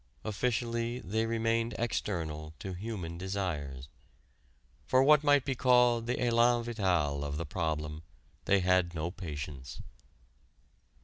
Officially they remained external to human desires. For what might be called the élan vital of the problem they had no patience.